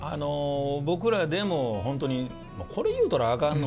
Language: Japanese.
僕らでもほんとに「これ言うたらあかんの？」